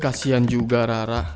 kasian juga rara